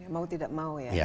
mau tidak mau ya